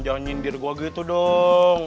jangan nyindir gue gitu dong